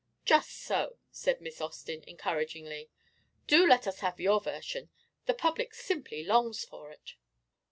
"Just so," said Miss Austin encouragingly. "Do let us have your version. The public simply longs for it."